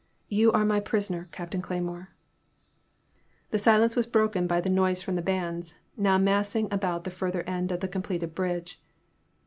You are my prisoner, Captain Cleymore." The silence was broken by the noise from the bands, now massing about the further end of the completed bridge.